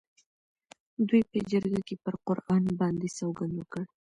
دوی په جرګه کې پر قرآن باندې سوګند وکړ.